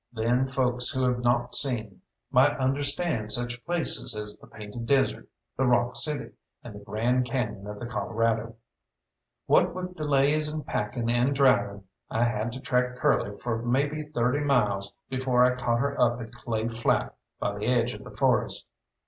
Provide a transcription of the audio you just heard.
Then folks who have not seen might understand such places as the Painted Desert, the Rock City, and the Grand Cañon of the Colorado. What with delays in packing and driving I had to track Curly for maybe thirty miles before I caught her up at Clay Flat by the edge of the forest.